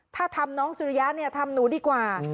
ถ้าทำน้องสุริยะเนี่ยทำหนูดีกว่า